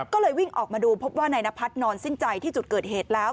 ก็เลยวิ่งออกมาดูพบว่านายนพัฒน์นอนสิ้นใจที่จุดเกิดเหตุแล้ว